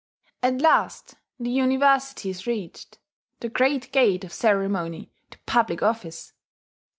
At last the University is reached, the great gate of ceremony to public office.